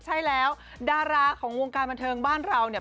ใช่แล้วดาราของวงการบันเทิงบ้านเราเนี่ย